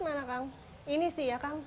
mana kang ini sih ya kang